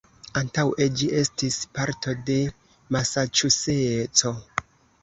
Antaŭe ĝi estis parto de Masaĉuseco.